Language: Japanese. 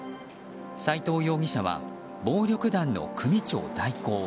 斎藤容疑者は暴力団の組長代行。